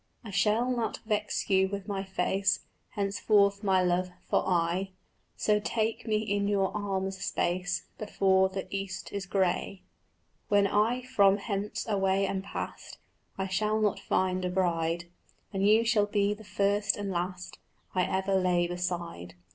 "I shall not vex you with my face Henceforth, my love, for aye; So take me in your arms a space Before the east is grey." "When I from hence away am past I shall not find a bride, And you shall be the first and last I ever lay beside."